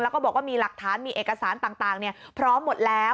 แล้วก็บอกว่ามีหลักฐานมีเอกสารต่างพร้อมหมดแล้ว